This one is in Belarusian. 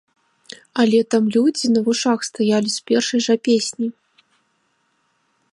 Але там людзі на вушах стаялі з першай жа песні.